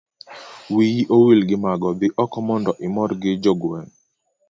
wiyi owil gi mago dhi oko mondo imor gi jo gweng'